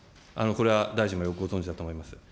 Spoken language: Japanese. これは大臣もよくご存じだと思います。